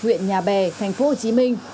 x ba mươi huyện nhà bè thành phố hồ chí minh